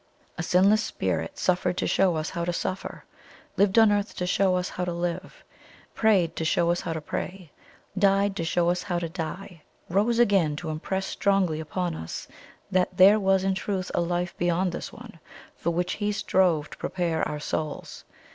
A sinless Spirit suffered to show us how to suffer; lived on earth to show us how to live; prayed to show us how to pray; died to show us how to die; rose again to impress strongly upon us that there was in truth a life beyond this one, for which He strove to prepare our souls.